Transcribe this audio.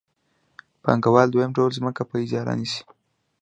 ب پانګوال دویم ډول ځمکه په اجاره نیسي